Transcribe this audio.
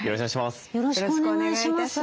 よろしくお願いします。